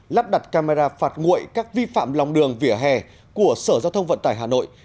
lắp đặt camera phạt nguội các vi phạm lòng đường vỉa hè của sở giao thông vận tải hà nội